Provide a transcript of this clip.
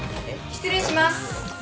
失礼します。